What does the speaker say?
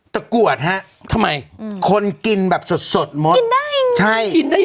ตะกรวดนะฮะสมัยอือคนกินแบบสดสดมดกินได้ได้ยังไงก่อนใช่จะ